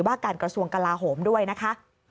ว่าการกระทรวงกลาโหมด้วยนะคะ